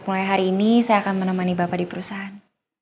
mulai hari ini saya akan menemani bapak di perusahaan